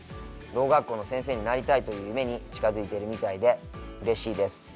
ろう学校の先生になりたいという夢に近づいてるみたいでうれしいです。